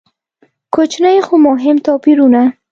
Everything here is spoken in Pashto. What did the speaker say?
کوچني خو مهم توپیرونه.